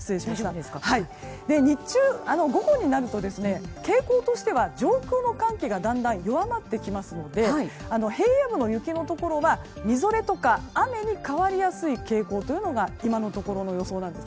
日中、午後になると傾向としては上空の寒気がだんだん弱まってきますので平野部の雪のところがみぞれとか雨に変わりやすい傾向が今のところの予想なんです。